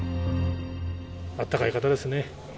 あったかい方ですね。